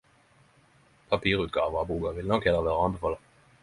Papirutgava av boka vil nok heller vere å anbefale.